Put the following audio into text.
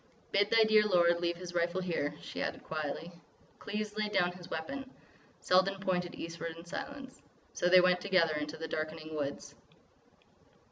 "Bid thy dear lord leave his rifle here," she added quietly. Cleves laid down his weapon. Selden pointed eastward in silence. So they went together into the darkening woods.